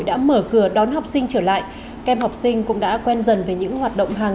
a cổng truyền hình công an